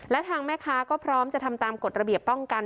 และทางแม่ค้าก็พร้อมจะทำตามกฎระเบียบป้องกัน